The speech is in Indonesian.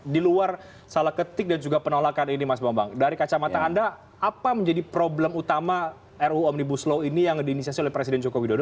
di luar salah ketik dan juga penolakan ini mas bambang dari kacamata anda apa menjadi problem utama ruu omnibus law ini yang diinisiasi oleh presiden joko widodo